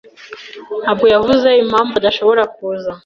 ntabwo yavuze impamvu adashobora kuza.